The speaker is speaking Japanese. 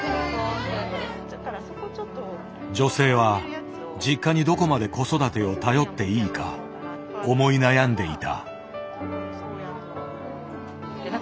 女性は実家にどこまで子育てを頼っていいか思い悩んでいた。